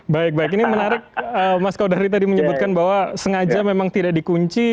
baik baik ini menarik mas kodari tadi menyebutkan bahwa sengaja memang tidak dikunci